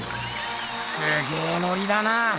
すげえノリだな。